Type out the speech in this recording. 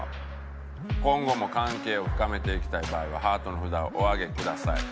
今後も関係を深めていきたい場合はハートの札をお上げください。